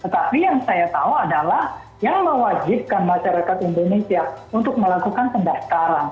tetapi yang saya tahu adalah yang mewajibkan masyarakat indonesia untuk melakukan pendaftaran